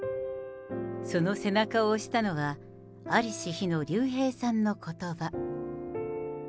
その背中を押したのは、在りし日の竜兵さんのことば。